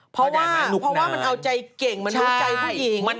เพราะว่าเพราะว่ามันเอาใจเก่งมันรู้ใจผู้หญิง